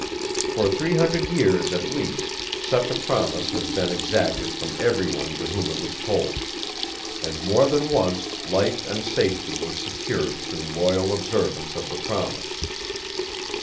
For three hundred years at least such a promise has been exacted from everyone to whom it was told, and more than once life and safety were secured through loyal observance of the promise.